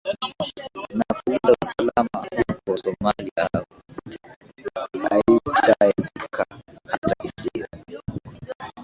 na kulinda usalama huko somali haitaezeka hata kidiogo